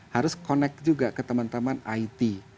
harus connect juga ke teman teman it